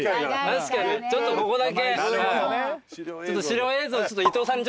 確かにちょっとここだけ。